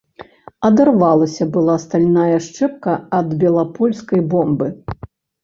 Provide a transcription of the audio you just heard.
Адарвалася была стальная шчэпка ад белапольскай бомбы.